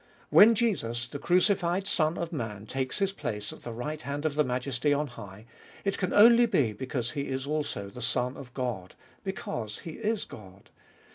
When Jesus, the crucified Son of Man, takes His place at the right hand of the Majesty on high, it can only be because He is also the Son of God, because He is God.